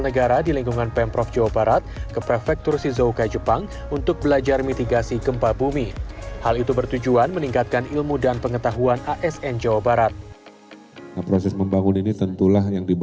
dalam hubungan kewirausahaan terdapat beberapa hal